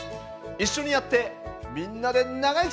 一緒にやってみんなで長生きしましょう！